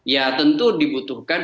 ya tentu dibutuhkan